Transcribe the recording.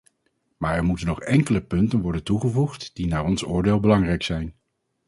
Maar er moeten nog enkele punten worden toegevoegd die naar ons oordeel belangrijk zijn.